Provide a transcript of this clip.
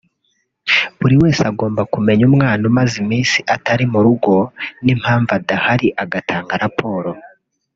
buri wese agomba kumenya umwana umaze iminsi atari mu rugo n’impamvu adahari agatanga raporo